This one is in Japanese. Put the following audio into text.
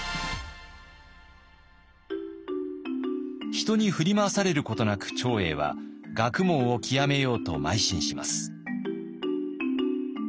人に振り回されることなく長英は学問を究めようとまい進します。